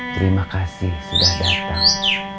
terima kasih sudah datang